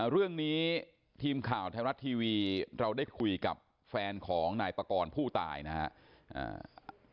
เรื่องนี้ทีมข่าวไทยรัฐทีวีเราได้คุยกับแฟนของนายปากรผู้ตายนะครับ